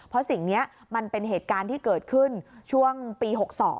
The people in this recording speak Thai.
เพราะสิ่งนี้มันเป็นเหตุการณ์ที่เกิดขึ้นช่วงปี๖๒